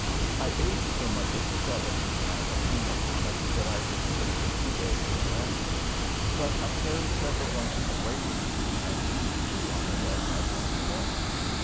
I ate so much of the celery the night I came upon it that I was sick for two days thereafter, but I carried several bunches away with me and used to chew on it as I walked along.